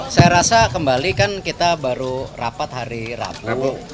saya rasa kembali kan kita baru rapat hari rabu